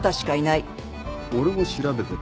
俺も調べてた。